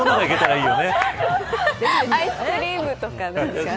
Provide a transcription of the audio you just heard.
アイスクリームとか。